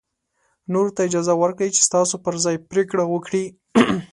نورو ته اجازه ورکړئ چې ستاسو پر ځای پرېکړه وکړي.